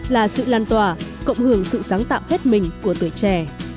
là sự lan tỏa cộng hưởng sự sáng tạo hết mình của tuổi trẻ